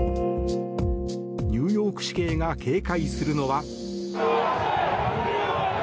ニューヨーク市警が警戒するのは。